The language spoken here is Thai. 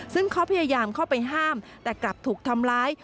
ซึ่งเขาพยายามเข้าไปห้ามแต่กลับถูกทำร้าย